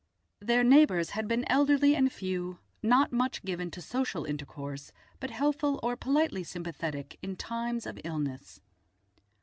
Their neighbours had been elderly and few, not much given to social intercourse, but helpful or politely sympathetic in times of illness.